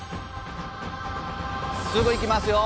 すぐいきますよ。